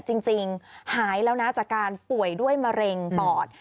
จริงหายแล้วนะจากการป่วยด้วยมะเร็งปอด